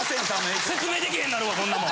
説明できへんなるわこんなもん。